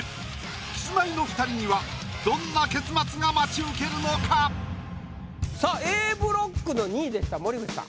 キスマイの２人にはどんな結末が待ち受けるのか⁉さあＡブロックの２位でした森口さん。